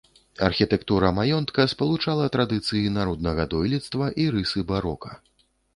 Архітэктура маёнтка спалучала традыцыі народнага дойлідства і рысы барока.